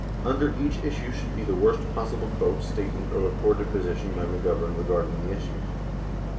Under each issue should be the worst possible quote, statement, or reported position by McGovern regarding the issue.